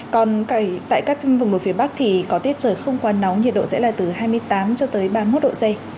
còn tại các vùng núi phía bắc thì có tiết trời không quá nóng nhiệt độ sẽ là từ hai mươi tám cho tới ba mươi một độ c